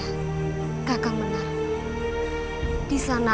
disana aku bisa bertemu dengan utari